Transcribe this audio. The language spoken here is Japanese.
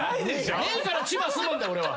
ねえから千葉住むんだ俺は。